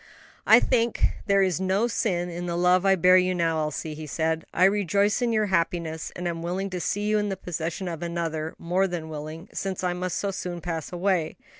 "I think there is no sin in the love I bear you now, Elsie," he said; "I rejoice in your happiness and am willing to see you in the possession of another; more than willing, since I must so soon pass away.